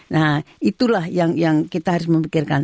nah itulah yang kita harus memikirkan